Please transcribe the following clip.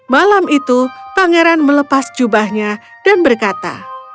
malam itu pangeran melepas jubahnya dan berkata